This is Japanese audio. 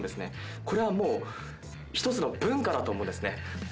これは１つの文化だと思うんですね。